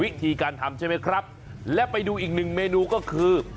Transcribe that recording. วิธีการทำใช่ไหมครับและไปดูอีกหนึ่งเมนูก็คือ